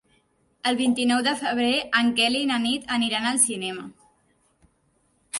El vint-i-nou de febrer en Quel i na Nit aniran al cinema.